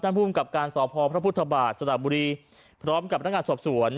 ท่านผู้หุ้มกับการสอบพอพระพุทธบาทสตบุรีพร้อมกับนักงานสอบสวน